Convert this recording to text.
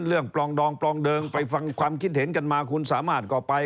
ปลองดองปลองเดิงไปฟังความคิดเห็นกันมาคุณสามารถก็ไป